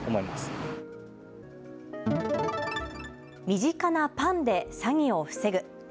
身近なパンで詐欺を防ぐ。